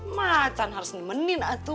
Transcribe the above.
macan harus nemenin atuh